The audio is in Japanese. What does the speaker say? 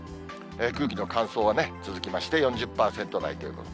空気の乾燥はね、続きまして、４０％台ということで。